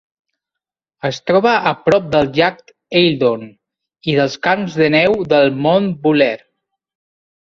Es troba a prop del llac Eildon i dels camps de neu del Mount Buller.